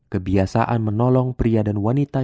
kebiasaan menolong pria dan wanita